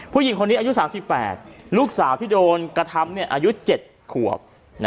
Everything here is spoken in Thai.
ผู้หญิงคนนี้อายุ๓๘ลูกสาวที่โดนกระทำอายุ๗ขวบ